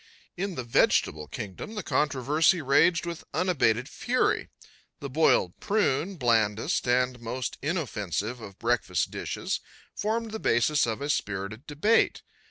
In the vegetable kingdom the controversy raged with unabated fury. The boiled prune, blandest and most inoffensive of breakfast dishes, formed the basis of a spirited debate.